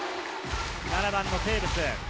７番のテーブス。